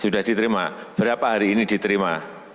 sudah diterima berapa hari ini diterima